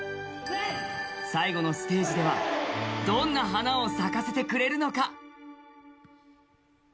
最後のステージでは、どんな花を咲かせてくれるのか。